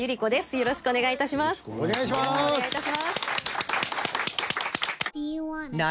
よろしくお願いします社長。